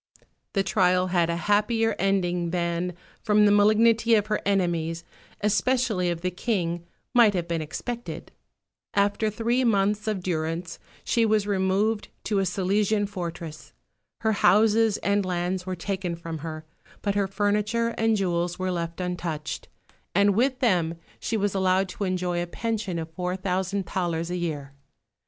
The trial had a happier ending than, from the malignity of her enemies, especially of the King, might have been expected. After three months of durance she was removed to a Silesian fortress. Her houses and lands were taken from her; but her furniture and jewels were left untouched, and with them she was allowed to enjoy a pension of four thousand thalers a year.